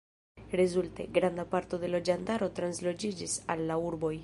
Rezulte, granda parto de loĝantaro transloĝiĝis al la urboj.